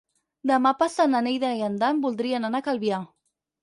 Demà passat na Neida i en Dan voldrien anar a Calvià.